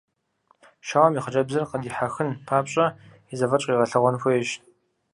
Щауэм и хъыджэбзыр къыдихьэхын папщӏэ и зэфӏэкӏ къигъэлъэгъуэн хуейщ.